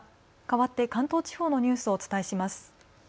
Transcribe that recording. かわって関東地方のニュースをお伝えします。